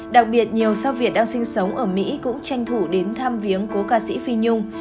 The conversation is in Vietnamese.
đặc biệt nhiều xác việt đang sinh sống ở mỹ cũng tranh thủ đến tham viếng cú ca sĩ phi nhung